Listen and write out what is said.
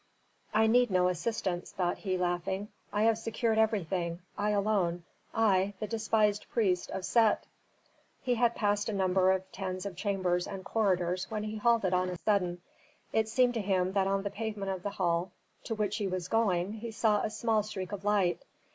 "I need no assistance," thought he, laughing. "I have secured everything I alone I, the despised priest of Set!" He had passed a number of tens of chambers and corridors when he halted on a sudden. It seemed to him that on the pavement of the hall to which he was going he saw a small streak of light.